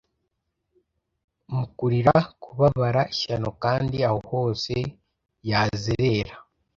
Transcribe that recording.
Mu kurira kubabara ishyano Kandi ahohose yazerera